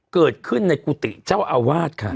เกิดขึ้นนี่คุติเจ้าอาวาดค่ะอืม